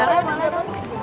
mau yang balado